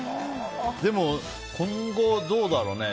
でも、今後どうだろうね。